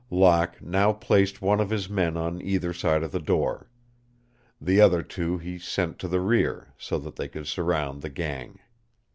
Locke now placed one of his men on either side of the door. The other two he sent to the rear, so that they could surround the gang.